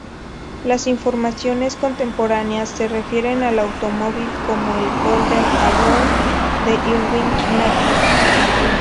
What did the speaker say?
Las informaciones contemporáneas se refieren al automóvil como el "Golden Arrow" de Irving-Napier.